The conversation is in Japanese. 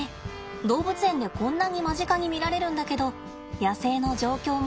動物園でこんなに間近に見られるんだけど野生の状況もね。